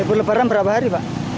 libur lebaran berapa hari pak